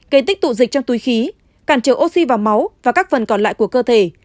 gây tích tụ dịch trong túi khí cản trở oxy vào máu và các phần còn lại của cơ thể